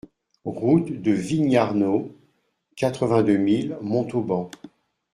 Route de Vignarnaud, quatre-vingt-deux mille Montauban